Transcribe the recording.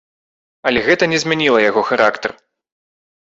Але гэта не змяніла яго характар.